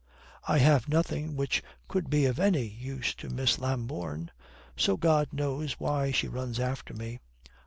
"I have nothing which could be of any use to Miss Lambourne. So God knows why she runs after me."